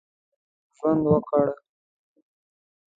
ژوند وکړ.